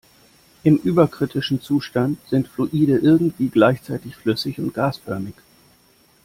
Im überkritischen Zustand sind Fluide irgendwie gleichzeitig flüssig und gasförmig.